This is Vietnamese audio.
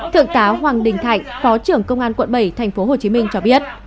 thượng tá hoàng đình thạnh phó trưởng công an quận bảy tp hcm cho biết